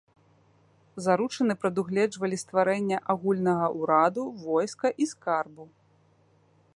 Заручыны прадугледжвалі стварэнне агульнага ўраду, войска і скарбу.